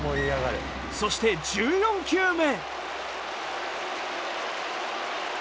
そして１４球目。